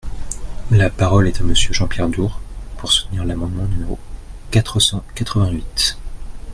La parole est à Monsieur Jean-Pierre Door, pour soutenir l’amendement numéro quatre cent quatre-vingt-huit.